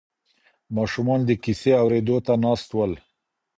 ماشومان د کیسې اورېدو ته ناست ول.